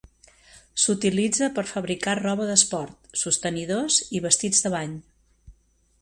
S'utilitza per fabricar roba d'esport, sostenidors i vestits de bany.